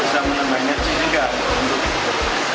kami kambing ini juga sangat cocok